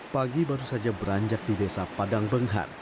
pagi baru saja beranjak di desa padang benghan